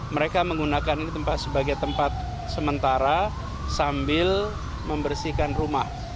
mereka menggunakan ini sebagai tempat sementara sambil membersihkan rumah